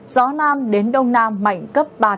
gió nam đến đông nam mạnh cấp ba năm km